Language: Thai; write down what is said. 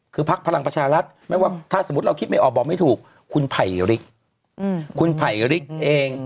คือพักพลังประชารัฐไม่ว่าถ้าสมมุติเราคิดไม่ออกบอกไม่ถูกคุณไผ่ลิกคุณไผ่ริกเอง